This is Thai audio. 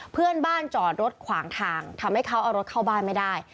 เพื่อนบ้านจอดรถขวางทางทำให้เขาเอารถเข้าบ้านไม่ได้